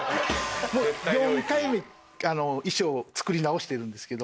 ４回衣装を作り直してるんですけど。